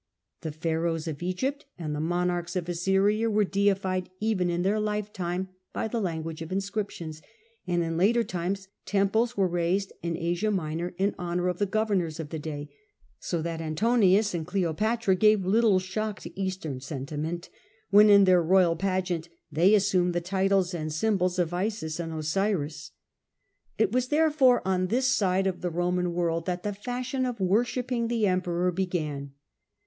The Pharaohs of Egypt and the monarchs of Assyria were deified even in their lifetime by the language of inscriptions, and in latei times temples were raised in Asia Minor in honour of the governors of the day, so that Antonius and Cleopatra gave little shock to Eastern sentiment when in their royal pageant they assumed the titles and the symbols of Isis and Osiris. It was, therefore, on this side of the Roman world that the fashion of worshipping the Emperor began.